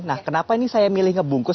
nah kenapa ini saya milih ngebungkus